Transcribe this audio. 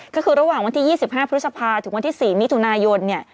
ก็คือระหว่างวันที่๒๕พฤษภาถึงวันที่๔มิถุนายนเนี่ย